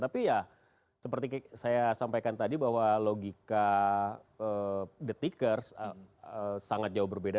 tapi ya seperti saya sampaikan tadi bahwa logika the tickers sangat jauh berbeda